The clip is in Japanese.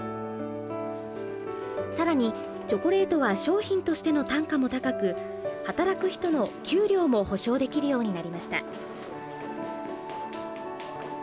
さらにチョコレートは商品としての単価も高く働く人の給料も保証できるようになりました。